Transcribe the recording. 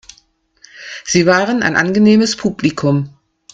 Sie waren ein angenehmes Publikum.